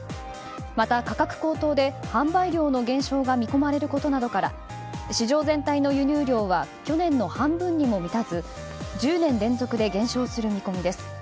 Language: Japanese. また、価格高騰で販売量の減少が見込まれることなどから市場全体の輸入量は去年の半分にも満たず１０年連続で減少する見込みです。